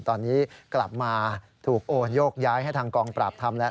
ตอนนี้กลับมาถูกโอนโยกย้ายให้ทางกองปราบทำแล้ว